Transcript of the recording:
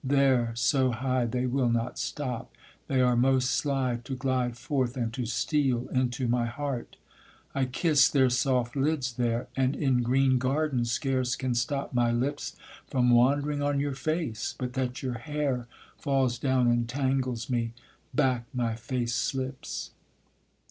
there so high they will not stop, They are most sly to glide forth and to steal Into my heart; I kiss their soft lids there, And in green gardens scarce can stop my lips From wandering on your face, but that your hair Falls down and tangles me, back my face slips.